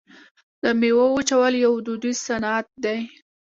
د میوو وچول یو دودیز صنعت دی.